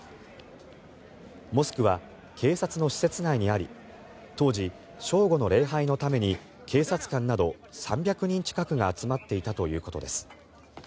モスクは警察の施設内にあり当時、正午の礼拝のために警察官など３００人近くが集まっていたということです。